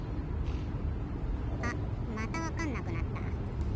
あっまたわかんなくなった。